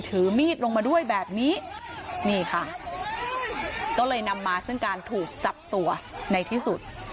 ถือมีดลงมาด้วยแบบนี้นี่ค่ะก็เลยนำมาซึ่งการถูกจับตัวในที่สุด